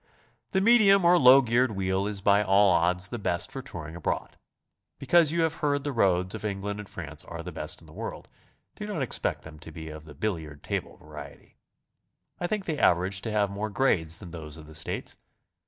The medium or low geared wheel is by all odds the best for touring abroad. Because you have heard the roads of England and France are the best in the world, do noit expect them to be of the billiard table variety. I think they average to have more grades than those of the States.